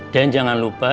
dan jangan lupa